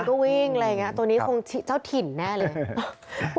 ก็วิ่งอะไรอย่างนี้ตัวนี้คงเจ้าถิ่นแน่เลย